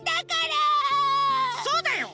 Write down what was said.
そうだよ！